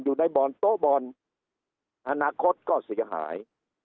อยู่ในบ่อนโต๊ะบ่อนอนาคตก็เสียหาย